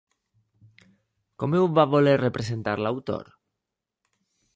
Com ho va voler representar l'autor?